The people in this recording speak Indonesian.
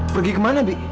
pergi ke mana bi